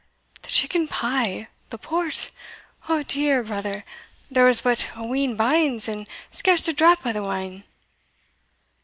"The chicken pie! the port! ou dear! brother there was but a wheen banes, and scarce a drap o' the wine."